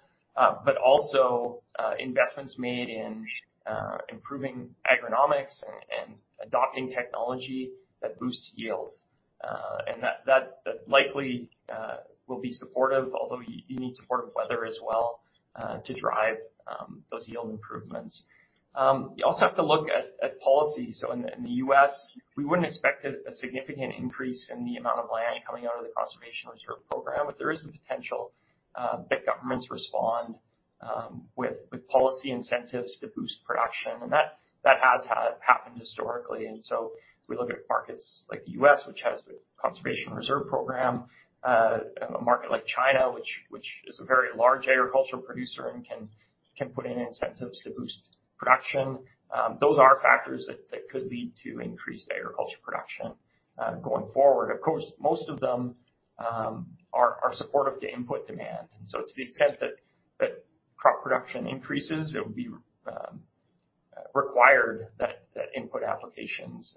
Investments made in improving agronomics and adopting technology that boosts yields likely will be supportive, although you need supportive weather as well to drive those yield improvements. You also have to look at policy. In the US, we wouldn't expect a significant increase in the amount of land coming out of the Conservation Reserve Program, but there is the potential that governments respond with policy incentives to boost production. That has happened historically. If we look at markets like the U.S., which has the Conservation Reserve Program, and a market like China, which is a very large agricultural producer and can put in incentives to boost production, those are factors that could lead to increased agriculture production going forward. Of course, most of them are supportive to input demand. To the extent that crop production increases, it would be required that input applications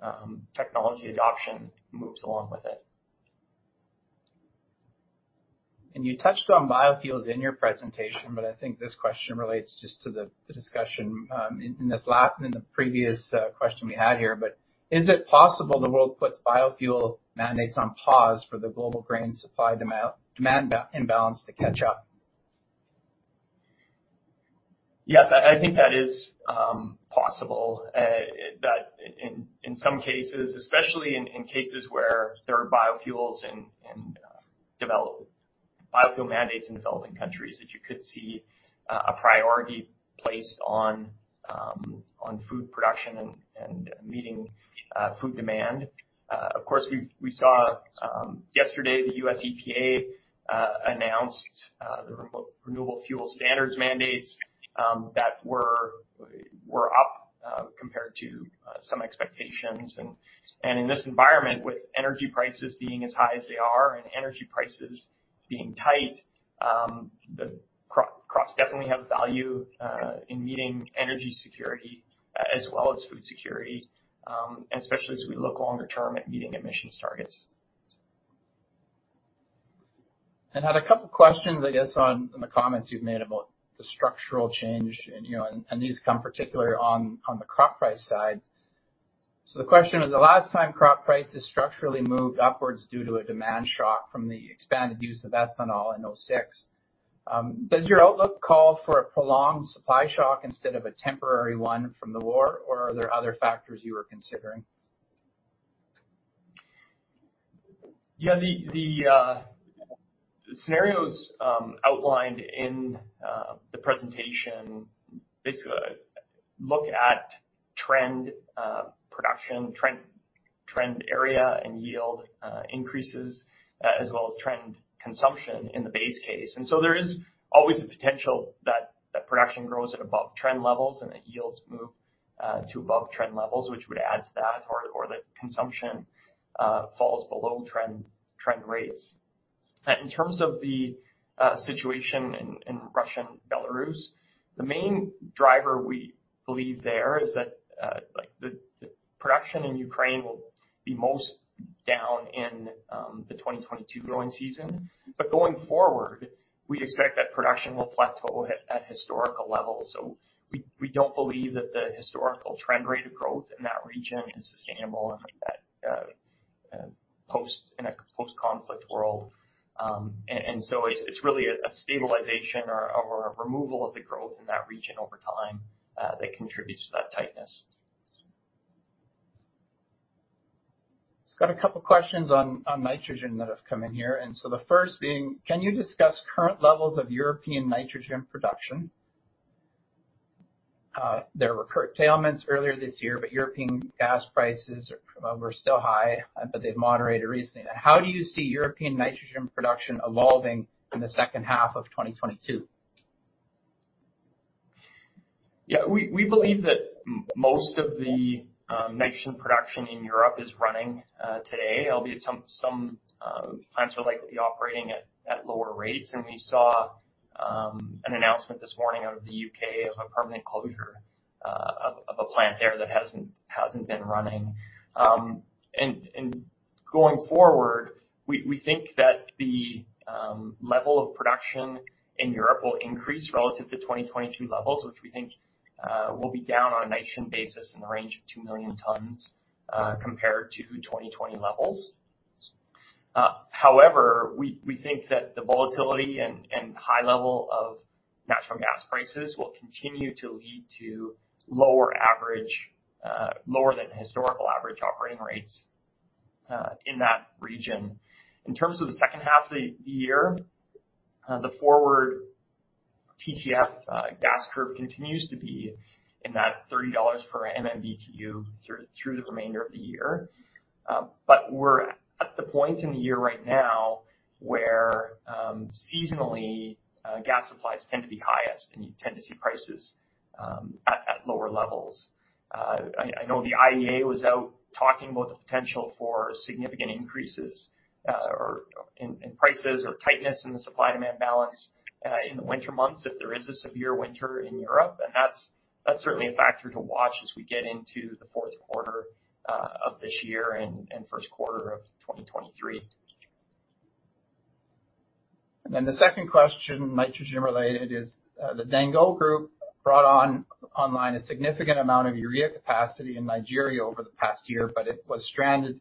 and technology adoption moves along with it. You touched on biofuels in your presentation, but I think this question relates just to the discussion in the previous question we had here. Is it possible the world puts biofuel mandates on pause for the global grain supply-demand imbalance to catch up? Yes. I think that is possible, that in some cases, especially in cases where there are biofuel mandates in developing countries, that you could see a priority placed on food production and meeting food demand. Of course, we saw yesterday, the US EPA announced the Renewable Fuel Standard mandates that were up compared to some expectations. In this environment, with energy prices being as high as they are and energy prices being tight, the crops definitely have value in meeting energy security as well as food security, and especially as we look longer term at meeting emissions targets. Had a couple questions, I guess, on the comments you've made about the structural change and, you know, and these come particularly on the crop price side. The question was: The last time crop prices structurally moved upwards due to a demand shock from the expanded use of ethanol in 2006, does your outlook call for a prolonged supply shock instead of a temporary one from the war, or are there other factors you are considering? The scenarios outlined in the presentation basically look at trend production, trend area and yield increases, as well as trend consumption in the base case. There is always the potential that production grows at above trend levels and that yields move to above trend levels, which would add to that or that consumption falls below trend rates. In terms of the situation in Russia and Belarus, the main driver we believe there is that like the production in Ukraine will be most down in the 2022 growing season. Going forward, we expect that production will plateau at historical levels. We don't believe that the historical trend rate of growth in that region is sustainable and that in a post-conflict world. It's really a stabilization or a removal of the growth in that region over time that contributes to that tightness. Just got a couple questions on nitrogen that have come in here. The first being: Can you discuss current levels of European nitrogen production? There were curtailments earlier this year, but European gas prices were still high, but they've moderated recently. Now, how do you see European nitrogen production evolving in the second half of 2022? Yeah. We believe that most of the nitrogen production in Europe is running today, albeit some plants are likely operating at lower rates. We saw an announcement this morning out of the U.K. of a permanent closure of a plant there that hasn't been running. Going forward, we think that the level of production in Europe will increase relative to 2022 levels, which we think will be down on a nitrogen basis in the range of 2 million tons compared to 2020 levels. However, we think that the volatility and high level of natural gas prices will continue to lead to lower than historical average operating rates in that region. In terms of the second half of the year, the forward TTF gas curve continues to be in that $30 per MMBtu through the remainder of the year. We're at the point in the year right now where, seasonally, gas supplies tend to be highest, and you tend to see prices at lower levels. I know the IEA was out talking about the potential for significant increases in prices or tightness in the supply-demand balance in the winter months if there is a severe winter in Europe. That's certainly a factor to watch as we get into the fourth quarter of this year and first quarter of 2023. The second question, nitrogen related is, the Dangote Group brought online a significant amount of urea capacity in Nigeria over the past year, but it was stranded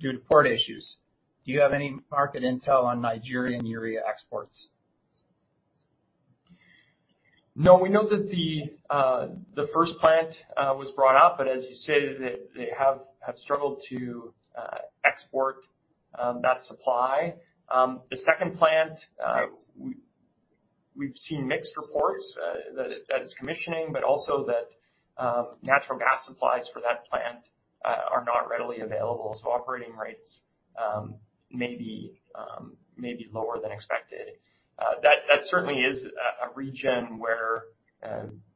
due to port issues. Do you have any market intel on Nigerian urea exports? No, we know that the first plant was brought up, but as you say, they have struggled to export that supply. The second plant, we've seen mixed reports that is commissioning, but also that natural gas supplies for that plant are not readily available, so operating rates may be lower than expected. That certainly is a region where,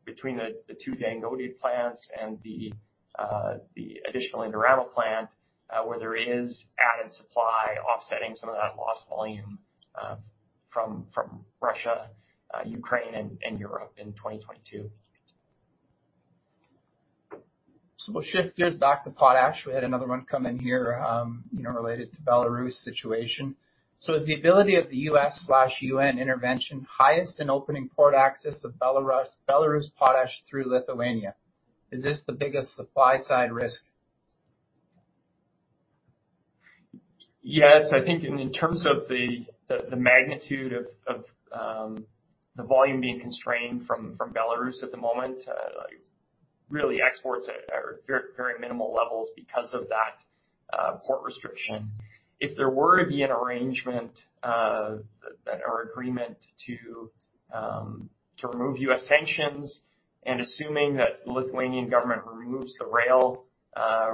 between the two Dangote plants and the additional Indorama plant, where there is added supply offsetting some of that lost volume from Russia, Ukraine and Europe in 2022. We'll shift gears back to potash. We had another one come in here, related to Belarus situation. Is the ability of the U.S./U.N. intervention highest in opening port access of Belarus potash through Lithuania? Is this the biggest supply-side risk? Yes. I think in terms of the magnitude of the volume being constrained from Belarus at the moment, really exports are very minimal levels because of that port restriction. If there were to be an arrangement that or agreement to remove U.S. sanctions, and assuming that Lithuanian government removes the rail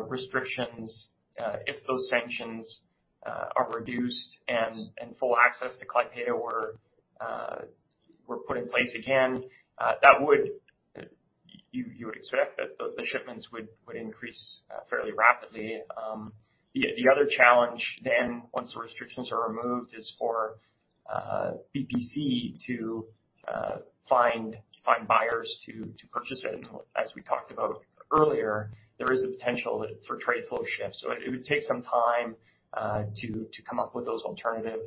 restrictions, if those sanctions are reduced and full access to Klaipėda were put in place again, that would. You would expect that the shipments would increase fairly rapidly. The other challenge then once the restrictions are removed is for Belaruskali to find buyers to purchase it. As we talked about earlier, there is a potential for trade flow shifts. It would take some time to come up with those alternative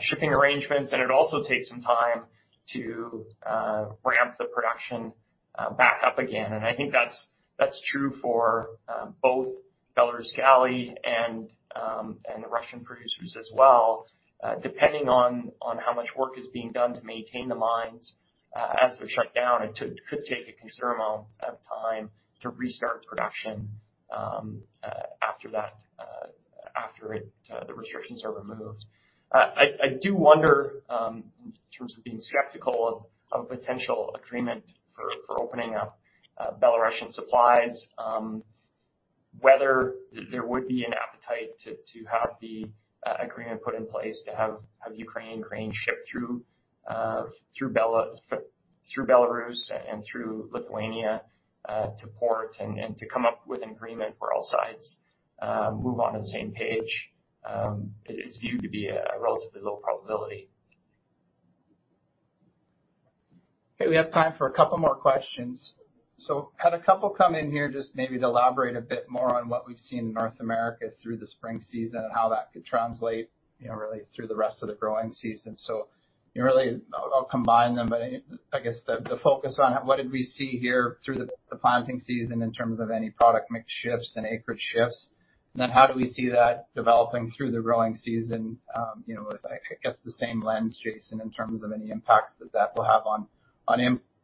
shipping arrangements, and it would also take some time to ramp the production back up again. I think that's true for both Belaruskali and Russian producers as well. Depending on how much work is being done to maintain the mines as they're shut down, it could take a considerable amount of time to restart production after the restrictions are removed. I do wonder, in terms of being skeptical of a potential agreement for opening up Belarusian supplies, whether there would be an appetite to have the agreement put in place to have Ukraine grain shipped through Belarus and through Lithuania to port and to come up with an agreement where all sides move onto the same page. It is viewed to be a relatively low probability. Okay, we have time for a couple more questions. Had a couple come in here just maybe to elaborate a bit more on what we've seen in North America through the spring season and how that could translate, you know, really through the rest of the growing season. Really I'll combine them, but I guess the focus on what did we see here through the planting season in terms of any product mix shifts and acreage shifts. Then how do we see that developing through the growing season, you know, with like, I guess the same lens, Jason, in terms of any impacts that that will have on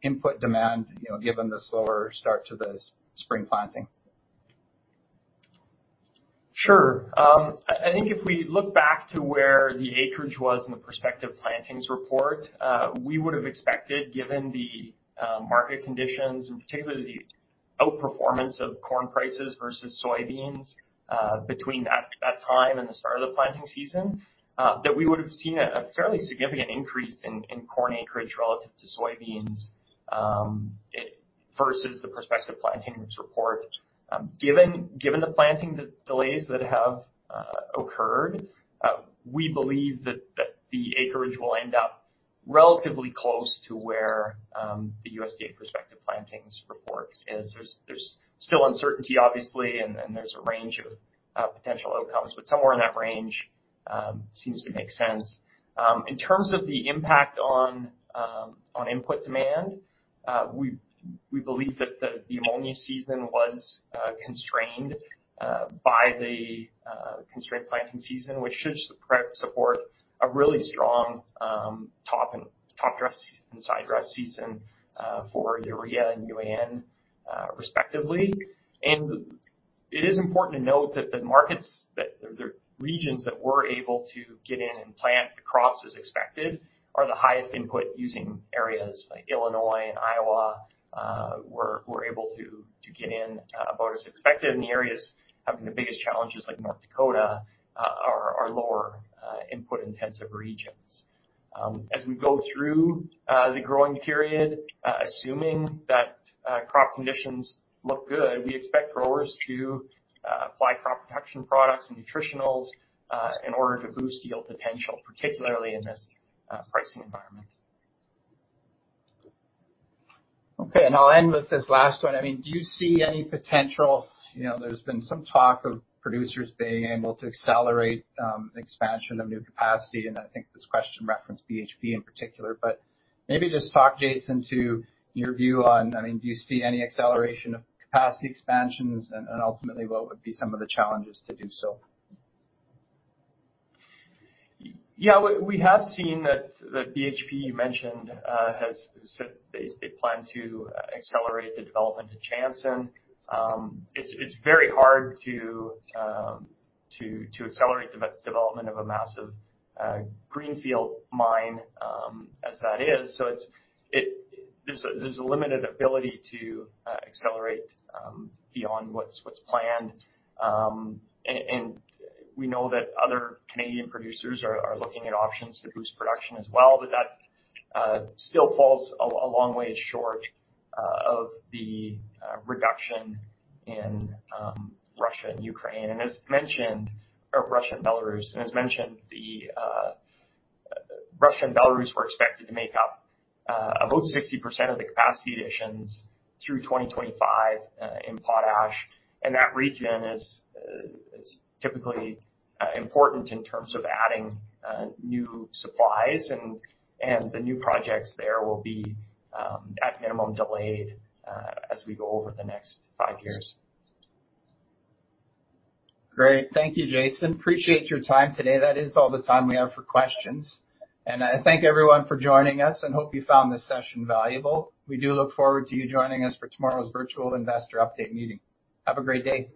input demand, you know, given the slower start to the spring planting? Sure. I think if we look back to where the acreage was in the Prospective Plantings report, we would have expected, given the market conditions, in particular the outperformance of corn prices versus soybeans, between that time and the start of the planting season, that we would have seen a fairly significant increase in corn acreage relative to soybeans versus the Prospective Plantings report. Given the planting delays that have occurred, we believe that the acreage will end up relatively close to where the USDA Prospective Plantings report is. There's still uncertainty obviously, and there's a range of potential outcomes, but somewhere in that range seems to make sense. In terms of the impact on input demand, we believe that the ammonia season was constrained by the constrained planting season, which should support a really strong topdress and side dress season for urea and UAN, respectively. It is important to note that the regions that were able to get in and plant the crops as expected are the highest input using areas like Illinois and Iowa, were able to get in about as expected. The areas having the biggest challenges, like North Dakota, are lower input intensive regions. As we go through the growing period, assuming that crop conditions look good, we expect growers to apply crop protection products and nutritionals in order to boost yield potential, particularly in this pricing environment. Okay. I'll end with this last one. I mean, do you see any potential? You know, there's been some talk of producers being able to accelerate expansion of new capacity, and I think this question referenced BHP in particular. Maybe just talk, Jason, to your view on, I mean, do you see any acceleration of capacity expansions? Ultimately, what would be some of the challenges to do so? Yeah, we have seen that BHP, you mentioned, has said they plan to accelerate the development of Jansen. It's very hard to accelerate development of a massive greenfield mine as that is. There's a limited ability to accelerate beyond what's planned. We know that other Canadian producers are looking at options to boost production as well. That still falls a long way short of the reduction in Russia and Ukraine. As mentioned, or Russia and Belarus. As mentioned, Russia and Belarus were expected to make up about 60% of the capacity additions through 2025 in potash. That region is typically important in terms of adding new supplies and the new projects there will be at minimum delayed as we go over the next five years. Great. Thank you, Jason. Appreciate your time today. That is all the time we have for questions. I thank everyone for joining us and hope you found this session valuable. We do look forward to you joining us for tomorrow's virtual investor update meeting. Have a great day.